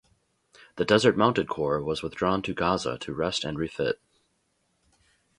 The Desert Mounted Corps was withdrawn to Gaza to rest and refit.